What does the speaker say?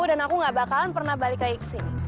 dan aku nggak bakalan pernah balik lagi ke sini